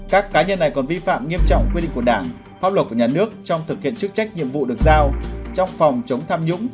các cá nhân này còn vi phạm nghiêm trọng quy định của đảng pháp luật của nhà nước trong thực hiện chức trách nhiệm vụ được giao trong phòng chống tham nhũng